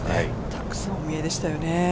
たくさんお見えでしたよね。